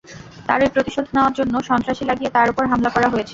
তারই প্রতিশোধ নেওয়ার জন্য সন্ত্রাসী লাগিয়ে তাঁর ওপর হামলা করা হয়েছে।